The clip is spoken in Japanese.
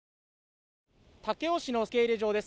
武雄市の受け入れ場です。